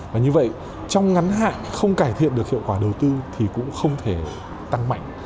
và như vậy trong ngắn hạn không cải thiện được hiệu quả đầu tư thì cũng không thể tăng mạnh